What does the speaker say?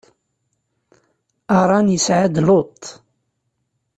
Aṛan isɛa-d Luṭ.